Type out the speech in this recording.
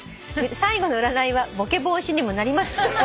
「最後の占いはぼけ防止にもなります」